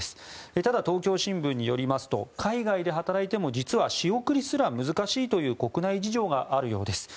ただ東京新聞によりますと海外で働いても実は、仕送りすら難しいという国内事情があるようです。